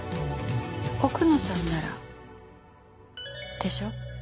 奥野さんならでしょ？